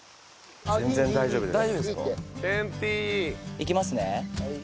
いきますね。